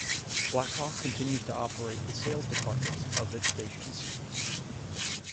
Blackhawk continues to operate the sales departments of its stations.